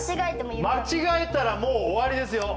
間違えたらもう終わりですよ